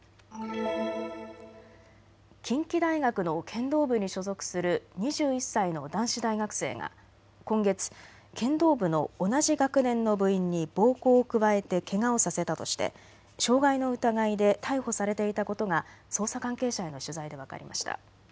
近畿大学の剣道部に所属する２１歳の男子大学生が今月、剣道部の同じ学年の部員に暴行を加えてけがをさせたとして傷害の疑いで逮捕されていたことが捜査関係者への取材で分かりました。